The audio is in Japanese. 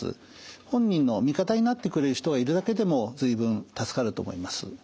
本人の味方になってくれる人がいるだけでも随分助かると思います。